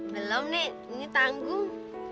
belom nek ini tanggung